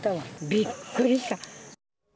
びっくりした。